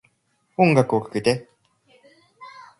音楽をかけて